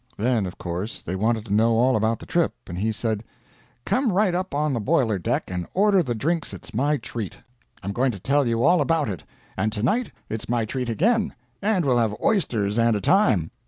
Then, of course, they wanted to know all about the trip; and he said "Come right up on the boiler deck and order the drinks it's my treat. I'm going to tell you all about it. And to night it's my treat again and we'll have oysters and a time!"